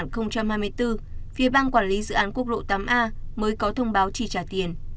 phía bang quản lý dự án quốc lộ tám a mới có thông báo trì trả tiền